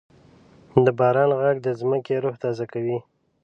د باران ږغ د ځمکې روح تازه کوي.